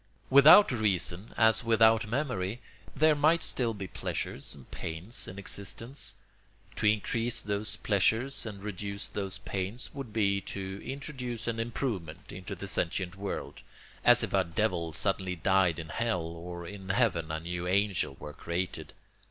Without reason, as without memory, there might still be pleasures and pains in existence. To increase those pleasures and reduce those pains would be to introduce an improvement into the sentient world, as if a devil suddenly died in hell or in heaven a new angel were created.